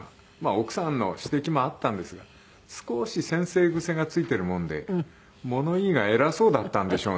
奥さんの指摘もあったんですが少し先生癖が付いているもんで物言いが偉そうだったんでしょうね。